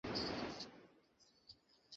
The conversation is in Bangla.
আচ্ছা দুঃখিত, আমি পারফেক্ট নই!